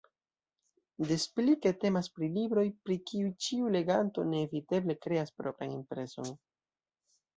Des pli ke temas pri libroj, pri kiuj ĉiu leganto neeviteble kreas propran impreson.